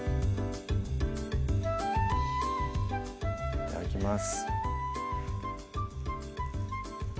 いただきます